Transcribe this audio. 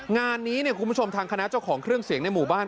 งานนี้คุณผู้ชมทางคณะเจ้าของเครื่องเสียงในหมู่บ้าน